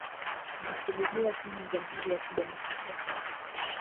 na asilimia tano Jamhuri ya Kidemokrasia ya Kongo